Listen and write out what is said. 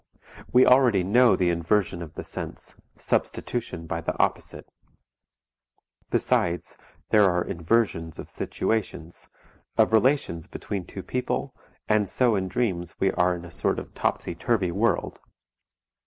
We already know the inversion of the sense, substitution by the opposite. Besides there are inversions of situations, of relations between two people, and so in dreams we are in a sort of topsy turvy world.